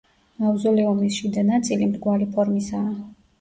მავზოლეუმის შიდა ნაწილი მრგვალი ფორმისაა.